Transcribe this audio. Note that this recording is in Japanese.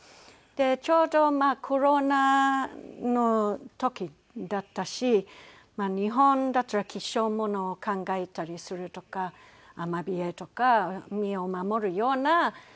ちょうどコロナの時だったし日本だったら吉祥物を考えたりするとかアマビエとか身を守るような模様。